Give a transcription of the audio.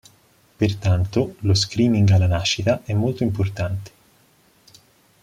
Pertanto, lo "screening" alla nascita è molto importante.